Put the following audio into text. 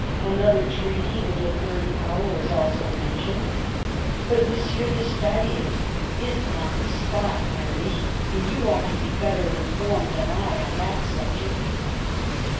Another treaty witii a third Power is also mentioned. But M. de Stadioji is on tho spilt, Metternich, and you ouglit to be better informed than I on that subject.